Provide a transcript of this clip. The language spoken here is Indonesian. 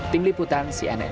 tim liputan cnn indonesia